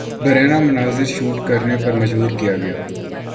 برہنہ مناظر شوٹ کرنے پر مجبور کیا گیا